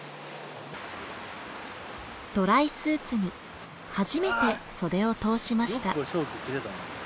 ドライスーツに初めて袖を通しました。